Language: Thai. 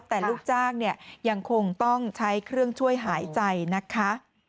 แต่ลูกจ้างเนี่ยยังคงต้องใช้เครื่องช่วยหายใจนะคะ